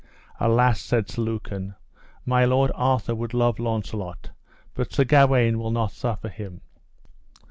Alas, said Sir Lucan, my lord Arthur would love Launcelot, but Sir Gawaine will not suffer him.